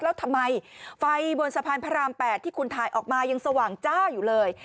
แล้วทำไมไฟบนสะพานพระราม๘ที่คุณถ่ายออกมายังสว่างจ้าอยู่เลย